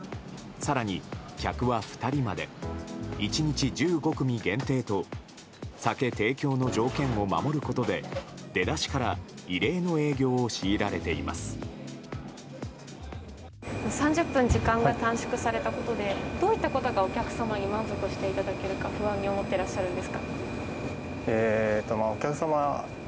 更に客は２人まで１日１５組限定と酒提供の条件を守ることで出だしから異例の営業を強いられています。